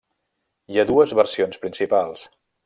Hi ha dues versions principals.